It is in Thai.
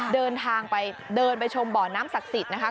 เดินไปชมบ่อน้ำศักดิ์สิตนะคะ